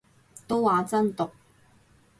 都話真毒